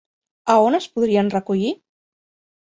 A on es podrien recollir?